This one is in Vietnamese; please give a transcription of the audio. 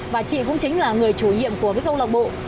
và chị cũng chính là người chủ nhiệm của câu lạc bộ